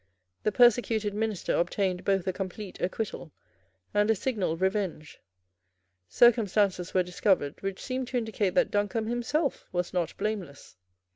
The persecuted minister obtained both a complete acquittal, and a signal revenge. Circumstances were discovered which seemed to indicate that Duncombe himself was not blameless.